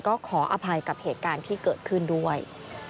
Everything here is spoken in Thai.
ก็ขออภัยกับเหตุการณ์ที่เกิดขึ้นด้วย